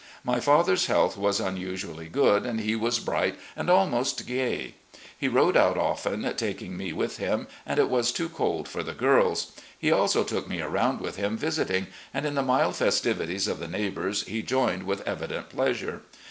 My father's health was unusually good, and he was bright and almost gay. He rode out often, taking me with him, as it was too cold for the girls. He also took me arotmd with him visiting, and in the mild festivities of the neigh bours he joined with evident pleasure.